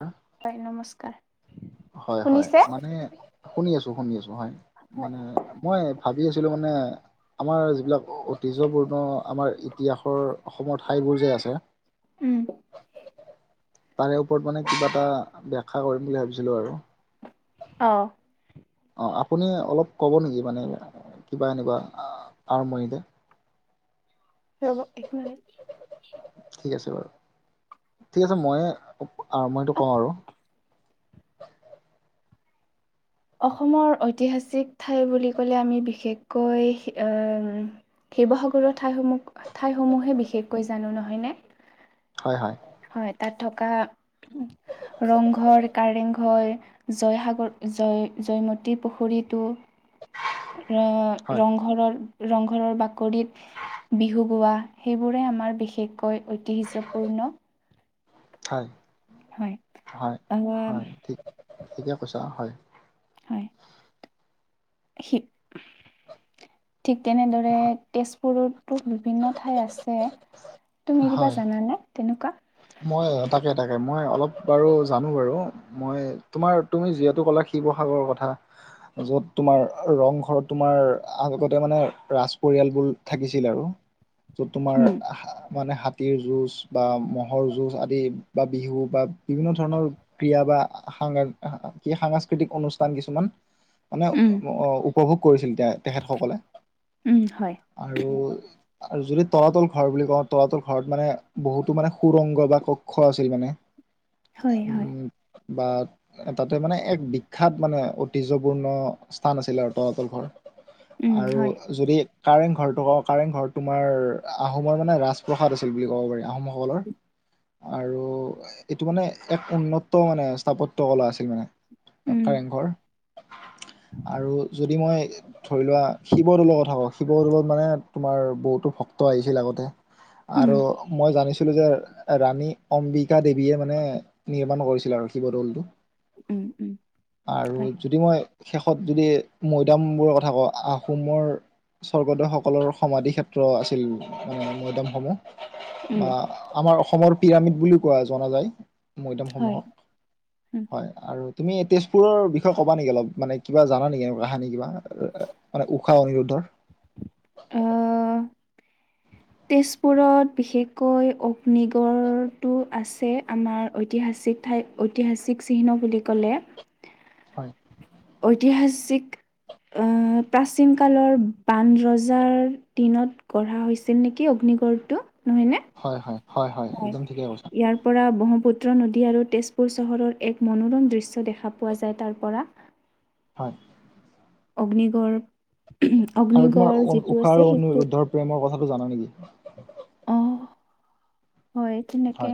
হা হয় নমস্কাৰ হয় হয় শুনিছে? মানে শুনি আছো শুনি আছো হয় মানে মই ভাবি আছিলো মানে আমাৰ যিবিলাক ঐতিহ্যপূৰ্ণ আমাৰ ইতিহাসৰ অসমৰ ঠাইবোৰ যে আছে উম। তাৰে ওপৰত মানে কিবা এটা ব্যখ্যা কৰিম বুলি ভাবিছিলো আৰু। অঁ। অ আপুনি অলপ ক'ব নেকি মানে কিবা এনেকুৱা আ আৰম্ভণিতে? ৰ'ব এক মিনিট। ঠিক আছে বাৰু, ঠিক আছে মইয়ে আ মই সেইটো কওঁ আৰু। অসমৰ ঐতিহাসিক ঠাই বুলি ক'লে আমি বিশেষকৈ এম শিৱসাগৰৰ ঠাইসমহ ঠাইসমূহে বিশেষকৈ জানো, নহয় নে? হয় হয়। হয় তাত থকা ৰংঘৰ, কাৰেংঘৰ জয়সাগৰ জয় জয়মতী পুখুৰীটো ৰ হয় ৰংঘৰৰ ৰংঘৰৰ বাকৰিত বিহু গোৱা সেইবোৰে আমাৰ বিশেষকৈ ঐতিহ্যপূৰ্ণ। হয় হয়। হয় হয়। আহ ঠিকে কৈছ হয়। হয়। সি ঠিক তেনেদৰে তেজ পুৰতো বিভিন্ন ঠাই আছে তুমি কিবা হয় জানানে তেনেকুৱা? মই তাকে তাকে মই অলপ বাৰু জানো বাৰু। মই তোমাৰ তুমি যিহেতু ক'লা শিৱসাগৰ কথা য'ত তোমাৰ ৰংঘৰত তোমাৰ আগতে মানে ৰাজ পৰিয়ালবোৰ থাকিছিল আৰু। [inaudible] য'ত তোমাৰ উম আ হা মানে হাতীৰ যুজ বা মহ মহৰ যুঁজ আদি বা বিহু বা বিভিন্ন ধৰণৰ ক্ৰিয়া বা সা কি সাংস্কৃতিক অনুষ্ঠান কিছুমান মানে উম অঁ উপভোগ কৰিছিল তে তেখেতসকলে, উম হয় আৰু আৰু যদি তলাতল ঘৰ বুলি কওঁ তলাতল ঘৰত মানে বহুতো মানে সুৰংগ বা কক্ষ আছিল মানে হয় হয় উম্ বা তাতে মানে এক বিখ্যাত মানে ঐতিহ্যপূৰ্ণ স্থান আছিলে আৰু তলাতল ঘৰ। উম আৰু হয় যদি কাৰেং ঘৰটো ক কাৰেং ঘৰটো তোমাৰ আহোমৰ মানে ৰাজপ্ৰসাদ আছিল বুলি ক'ব পাৰি আহোমসকলৰ। আৰু এইটো মানে এক উন্নত মানে স্থাপত্য কলা আছিল মানে। উম কাৰেংঘৰ। [inaudible] আৰু যদি মই ধৰি লোৱা শিৱদৌলৰ কথা কওঁ, শিৱদৌলত মানে তোমাৰ বহুতো ভক্ত আহিছিল আগতে। উম আৰু মই জানিছিলো যে ৰাণী অম্বিকা দেৱীয়ে মানে নিৰ্মাণ কৰিছিল আৰু শিৱদৌলটো। উম উম আৰু হয় যদি মই শেষত যদি মৈদামবোৰৰ কথা কওঁ আহোমৰ স্বৰ্গদেউ সকলৰ সমাধি ক্ষেত্ৰ আছিল মান মৈদাম সমূহ। উম বা আমাৰ অসমৰ পিৰামিড বুলি কোৱা জনা যায়। মৈদাম হয় সমূহক উম হয়। আৰু তুমি তেজপুৰৰ বিষয়ে কবা নেকি অলপ মানে কিব জান নেকি এনেকুৱ কাহানি কিবা মানে উষাহ অনিৰুদ্ধৰ অহ তেজপুৰত বিশেষকৈ অগ্নিগড়টো আছে আমাৰ ঐতিহাসিক ঠাইত ঐতিহাসিক চিহ্ন বুলি ক'লে হয় ঐতিহাাসিক প্ৰাচীন কালৰ বান ৰজাৰ দিনত গঢ়া হৈছে আছিল নেকি অগ্নিগড়টো নহয় নে হয় হয় হয় একদম ঠিকে কৈছা ইয়াৰ পৰা ব্ৰহ্মপুত্ৰ নদী আৰু তেজপুৰ চহৰৰ এক মনোৰম দৃশ্য দেখা পোৱা যায় তাৰ পৰা হয় অগ্নিগড় আৰু তোমাৰ অগ্নিগড় অন- যিটো ঊষা আছে আৰু সেইটো অনিৰুদ্ধৰ প্ৰেমৰ কথাটো জানা নেকি অ হয় তেনেকে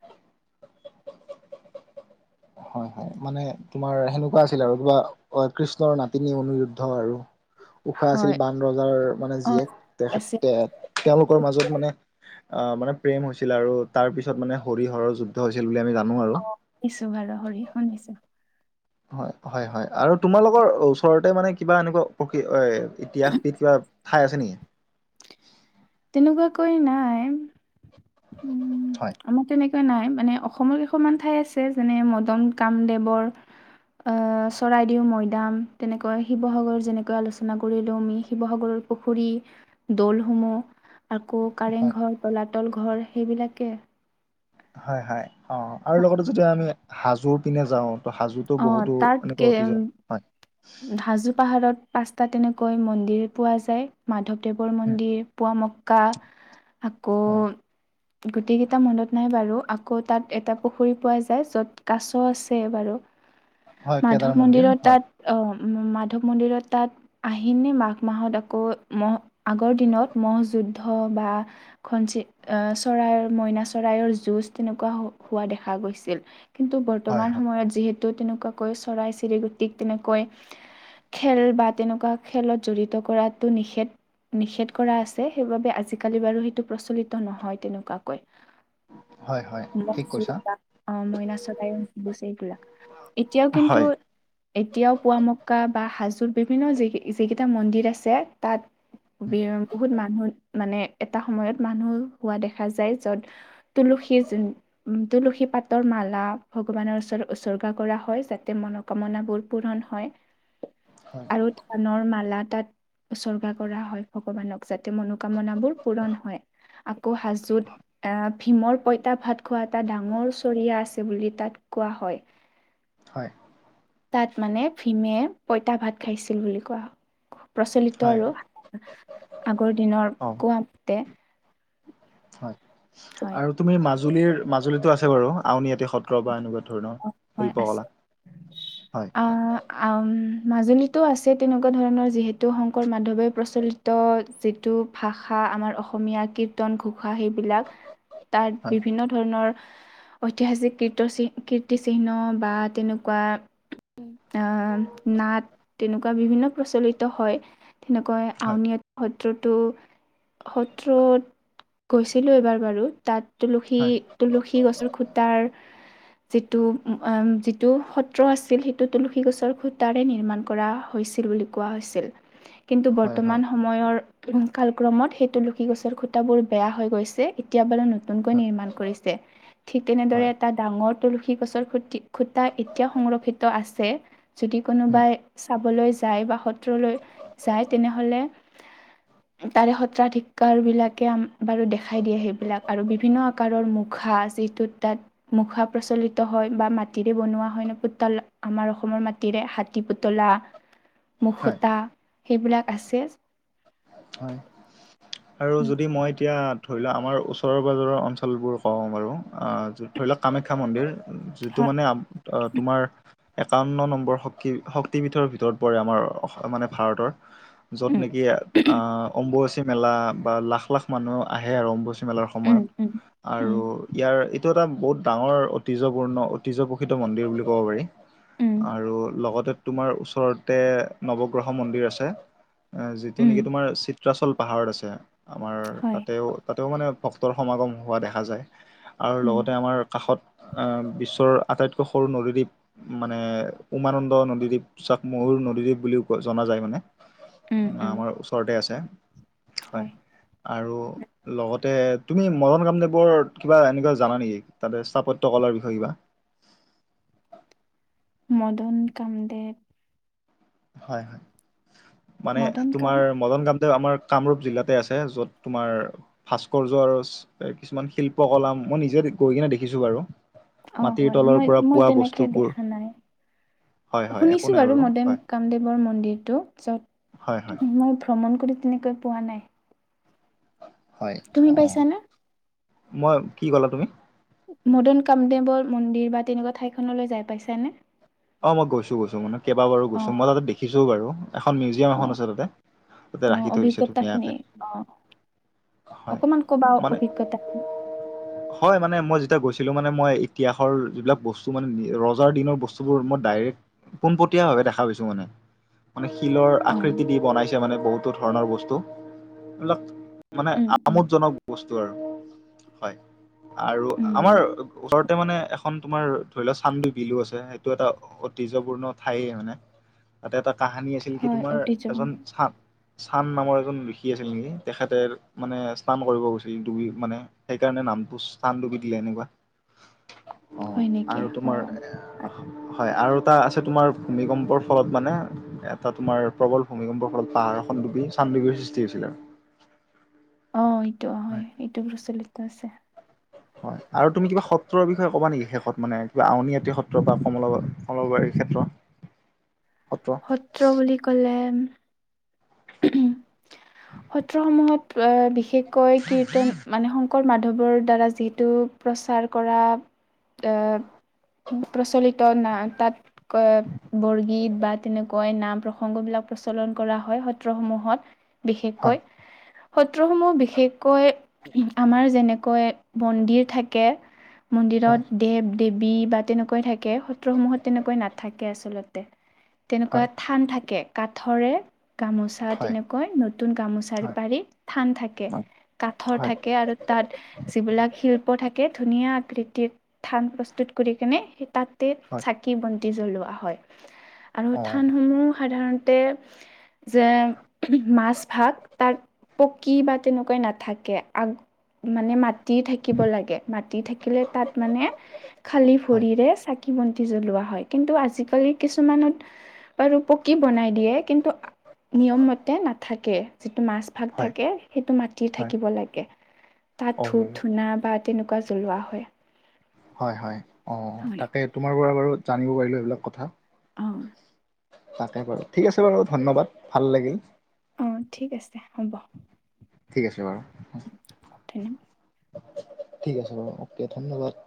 হয় হয় হয় মানে তোমাৰ সেনেকুৱা আছিল আৰু কিবা অ কৃষ্ণৰ নাতিনী অনিৰুদ্ধ আৰু উশাহ আছিল হয় বান ৰজাৰ মানে অ জীয়েক তেখে আছে তেওঁলোকৰ মাজত মানে আহ মানে প্ৰেম হৈছিল আৰু তাৰ পিছত মানে হৰি হৰৰ যুদ্ধ হৈছিল বুলি আমি জানো আৰু দিছো বাৰ হৰি শুনিছো হয় হয় হয় আৰু তোমালোকৰ ওচৰতে মানে কিবা এনেকুৱা প্ৰক এ ইতিহাসবিধ কিবা ঠাই আছে নেকি তেনেকুৱাকৈ নাই উম হয় আমাক তেনেকে নাই মানে অসমৰ কেইখনমান ঠাই আছে যেনে মদন কামদেৱৰ চৰাইদেউ মৈদাম তেনেকৈ শিৱসাগৰ যেনেকৈ আলোচনা কৰিলোঁ আমি শিৱসাগৰ পুখুৰী দলসমূহ আকৌ কাৰেং হয় ঘৰ তলাতল ঘৰ সেইবিলাকে হয় হয় অ আৰু লগতে যেতিয়া আমি হাজোৰ পিনে যাও ত হাজো টো অঁ বহুতো তাত এনেকুৱা কে অতি যোৱা হাজো পাহাৰত পাঁচটা তেনেকৈ মন্দিৰ পোৱা যায় মাধৱ দেৱৰ উম, মন্দিৰ পোৱা মক্কা আকৌ হয় গোটেই কেইটা মনত নাই বাৰু আকৌ তাত এটা পুখুৰী পোৱা যায় য'ত কাছ আছে বাৰু হয় কেদাৰ মাধৱ মন্দিৰ মন্দিৰত হয় তাত আহ মাধৱ মন্দিৰত তাত আহিনে মাঘ মাহত আকৌ মহ আগৰ দিনত মহ যুদ্ধ বা খচি আহ চৰাইৰ মইনা চৰাইৰ যুঁজ তেনেকুৱা হোৱা দেখা গৈছিল কিন্তু হয় বৰ্তমান হয় সময়ত যিহেতু তেনেকুৱাকৈ চৰাই চিৰিকুটিক তেনেকৈ খেল বা তেনেকুৱা খেলত জড়িত কৰাটো নিষেধ নিষেধ কৰা আছে সেইবাবে আজিকালি বাৰু সেইটো প্ৰচলিত নহয় তেনেকুৱাকৈ হয় হয় মঅ ঠিক কৈছা মইনা চৰাই বুছে এইবিলাক এতিয়াও কিন্তু হয় এতিয়াও পুৱামক্কা বা হাজোৰ বিভিন্ন য যিকেইটা মন্দিৰ আছে তাত বি বহুত মানুহ মানে এটা সময়ত মানুহ হোৱা দেখা যায় য'ত তুলুসীজ তুলসী পাতৰ মালা ভগৱানৰ ওচৰত উচৰ্গা কৰা হয় যাতে মনোকামনাবোৰ পূৰণ হয়। হয় আৰু ধানৰ মালা তাত উচৰ্গা কৰা হয় ভগৱানক। যাতে মনোকামনাবোৰ পূৰণ হয় আকৌ হাজোত আহ ভীমৰ পঁইতা ভাত খোৱা এটা ডাঙৰ চৰিয়া আছে বুলি তাত কোৱা হয়। হয়। তাত মানে ভীমে পঁইতা ভাত খাইছিল বুলি কোৱা হয়। প্ৰচলিত হয় আৰু আগৰ দিনৰ অ কোৱা মতে। হয় হয়। আৰু তুমি মাজুলীৰ মাজুলীতো আছে বাৰু আউনীআটী সত্ৰ বা এনেকুৱা ধৰণৰ হয় আছে শিল্পকলা হয় আ আ মাজুলীতো আছে তেনেকুৱা ধৰণৰ যিহেতু শংকৰ মাধৱে প্ৰচলি ত যিটো ভাষা আমাৰ অসমীয়া কীৰ্তন ঘোষা সেই বিলাক তাত হয় বিভিন্ন ধৰণৰ ঐতিহাসিক কিৰ্ত চিহ্ন বা তেনেকুৱা আহ নাট তেনেকুৱা বিভিন্ন প্ৰচলিত হয়। তেনেকৈ হয় আউনীআটী সত্ৰ তো সত্ৰত গৈছিলোঁ এবাৰ বাৰু তাত তুলসী হয় তুলসী গছৰ খূটাৰ যিটো যিটো সত্ৰ আছিল সেইটো তুলসী গছৰ খুটাৰে নিৰ্মাণ কৰা হৈছিল বুলি কোৱা হৈছিল। কিন্তু হয় হয় বৰ্তমান সময়ৰ কালক্ৰমত সেই তুলসী গছৰ খুটাবোৰ বেয়া হৈ গৈছে, এতিয়া বাৰু নতুনকৈ হয় নিৰ্মাণ কৰিছে। ঠিক তেনেদৰে হয় এটা ডাঙৰ তুলসী গছৰ খুটি খুটা এতিয়াও সংৰক্ষিত আছে। যদি উম কোনোবাই চাবলৈ যায় বা সত্ৰলৈ যায় তেনেহ'লে [inaudible] তাৰে সত্ৰাধিকাৰ বিলাকে আমাক বাৰু দেখাই দিয়ে সেইবিলাক আৰু বিভিন্ন আকাৰৰ মুখা চৌ ত' তাত মুখা প্ৰচলিত হয় বা মাটিৰে বনোৱা হয় ন পুতলা আমাৰ অসমৰ মাটিৰে হাতী পুতলা হয় মুকুতা সেইবিলাক আছে। হয় আৰু উম যদি মই এতিয়া ধৰি লোৱা আমাৰ ওচৰৰ পাজৰৰ অঞ্চলবোৰ কওঁ বাৰু ধৰি লওক কামাখ্যা মন্দিৰ যিটো হয় মানে তোমাৰ একাৱন্ন নম্বৰ শক্তি শক্তিপীঠৰ ভিতৰত পৰে আমাৰ মানে ভাৰতৰ। য'ত উম নেকি আ অম্বুবাচী মেলা বা লাখ লাখ মানুহ আহে আৰু অম্বুবাচি মেলাৰ উম সময়ত উম উম আৰু ইয়াৰ ই এইটো এটা বহুত ডাঙৰ ঐতিহ্যপূৰ্ণ ঐতিহ্য প্ৰসিত মন্দিৰ বুলি ক'ব পাৰি। উম আৰু লগতে তোমাৰ ওচৰতে নৱগ্ৰহ মন্দিৰ আছে। আ যিটো উম নেকি তোমাৰ চিত্ৰাচল পাহাৰত আছে। আমাৰ হয় তাতেও তাতেও মানে ভক্তৰ সমাগম হোৱা দেখা যায় আৰু উম লগতে আমাৰ কাষত আ বিশ্বৰ আটাইতকৈ সৰু নদীদ্বীপ মানে উমানন্দ নদীদ্বীপ, চাকমুৰ নদীদ্বীপ বুলিও জনা যায় মানে। উম উম আমাৰ ওচৰতে আছে, হয়। আৰু লগতে তুমি মদন কামদেৱৰ কিবা এনেকুৱা জানা নেকি? তাতে স্থাপত্য কলাৰ বিষয়ে কিবা। মদন কামদেৱ হয়, হয়। মানে মদন কাম তোমাৰ মদন কামদেৱ, আমাৰ কামৰূপ জিলাতে আছে। য'ত তোমাৰ ভাস্কৰ্য আৰু কিছুমান শিল্পকলা মই নিজে গৈ কিনে দেখিছো বাৰু। অ মাটিৰ হয়। তলৰ মই পৰা মই পোৱা তেনেকে বস্তুবোৰ দেখা নাই। হয় হয় একো শুনিছো নাই আৰু বাৰু মদেম হয় ৰামদেৱৰ মন্দিৰটো হয় হয় য'ত মই ভ্ৰমণ কৰি তেনেকৈ পোৱা নাই। হয়। তুমি অঁ পাইছা না মই কি ক'লা তুমি? মদেন কামদেৱৰ মন্দিৰ বা তেনেকুৱা ঠাই খনলৈ যাই পাইছানে? অ মই গৈছো গৈছো মানে কেইাবাৰো গছো। অ', মই তাতে পে দিচো বাৰু এখন মিউজিয়াম এখন অ'। আছে তাতে, তাতে অ', ৰাখি থৈ দিচে অভিজ্ঞতাখিনি ধুনীয়াকে। অ', হয় অকমান ক'বা আৰু মানে অভিজ্ঞতা? হয় মানে মই যেতিয়া গৈছিলো মানে মই ইতিহাসৰ যিবিলাক বস্তু মানে ৰজাৰ দিনৰ বস্তুত পুৰ মোৰ ডাইৰেক পোনপটীয়া ভাবে দেখা পাইছো মানে। মানে শিলৰ অ', আকৃতি দি বনাইছে মানে বহুতো ধৰণৰ বস্তু। এইবিলাক মানে উম, উম, আমোদ জনক বস্তু আৰু হয় আৰু উম, আমাৰ ওচৰতে মানে এখন তোমাৰ ধৰি লোৱা চামন্দি বিলো আছে সেই এইটো এটা ঐতিহ্পূৰ্ণ ঠাই মানে তাতে এটা কাহানী আছে। পিলকি [unintelligible] হয় তোমাৰ ঐতিহ্যময় এজন চাপ। চান নামৰ এজন ঋষি আছিল নেকি তেখেতে মানে ইষ্টান কৰিব গৈছিল ডুবি মানে সেইকাৰণে নামটো ইষ্টানডুবি দিলে এনেকুৱা। অ হয় নেকি আৰু তোমাৰ অহ হয়। আৰু তাৰ আছে তোমাৰ ভূমিকম্পৰ ফলত মানে এটা তোমাৰ প্ৰবল ভূমিকম্পৰ ফলত পাহাৰ এখন ডুবি চানডুবিৰ সৃষ্টি হৈছিলে। অ' এইটো হৈ। হয়। এইটো প্ৰচলিত আছে। হয় আৰু তুমি কিবা সত্ৰৰ বিষয়ে ক'ব নেকি শেষত মানে কিবা আউনআটী সত্ৰ বা কমলা কমলাবাৰীৰ ক্ষেত্ৰ। সত্ৰ। সত্ৰ বুলি ক'লে সত্ৰসমূহক আ বিশেষকৈ কীৰ্তন মানে শং শংকৰ মাধৱৰ দ্বাৰা যিতু প্ৰচাৰ কৰা প্ৰচলিত না তাত [unintelligible] বৰগীত বা তেনেকুৱাই নাম প্ৰসংগবিলাক প্ৰচলন কৰা হয় সত্ৰ সমূহত হয় বিশেষকৈ সত্ৰসমূহ বিশেষকৈ আমাৰ যেনেকৈ মন্দিৰ থাকে হয় মন্দিৰত দেৱ দেৱী বা তেনেকৈ থাকে। সত্ৰসমূহত তেনেকৈ নাথাকে আচলতে। তেনেকুৱা হয়। থান থাকে কাথৰে গামোচা হয়। তেনেকৈ নতুন গামোচাৰ হয় পাৰিত থান থাকে। কাঠৰ হয় থাকে আৰু তাত যিবিলাক শিল্প থাকে ধুনীয়া আকৃতিৰ ধান প্ৰস্তুত কৰি কেনে সেই তাতে হয় চাকি বন্তি দি জ্বলোৱা হয় আৰু অ থান সমূহ সাধাৰণতে যে মাছ ভাত, তাক পকী বা তেনেকুৱাই নাথাকে। আগ মানে মাটি থাকিব লাগে মাটি থাকিলে তাত মানে খালী হয় হয় ভৰিৰে চাক কী বন্তি জ্বলোৱা হয়। কিন্তু আজিকালি কিছুমানত বাৰু পকী বনাই দিয়ে। কিন্তু নিয়ম মতে নাথাকে সেইতো মা হয় থাকে সেইটো মাটি থাকিব লাগে, তাত অ ধূপ ধূনা বা তেনেকুৱা জ্বলোৱা হয়। হয় হয় অ হয় তাকে তোমাৰ পৰা বাৰু জানিব পাৰিলো এইবিলাক কথা। উম। তাকে বাৰু, ঠিক আছে বাৰু। ধন্যবাদ ভাল লাগিল। অ' ঠিক আছে হ'ব। ঠিক আছে বাৰু। ধন্যবাদ ঠিক আছে বাৰু ওকে ধন্যবাদ।